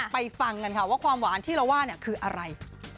ฟังกันค่ะว่าความหวานที่เราว่าเนี่ยคืออะไร